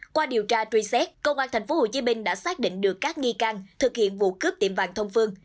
qua điều tra truy xét công an tp hcm đã xác định được các nghi can thực hiện vụ cướp tiệm vàng thông phương